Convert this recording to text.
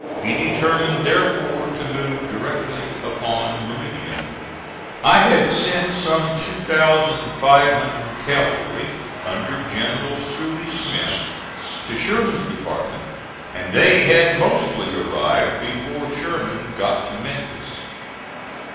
He determined, therefore, to move directly upon Meridian. I had sent some 2,500 cavalry under General Sooy Smith to Sherman's department, and they had mostly arrived before Sherman got to Memphis.